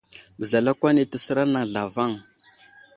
Beza lakwan ɗi təsər anaŋ zlavaŋ.